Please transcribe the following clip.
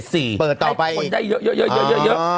ให้คนได้เยอะ